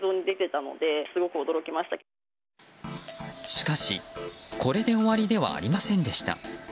しかし、これで終わりではありませんでした。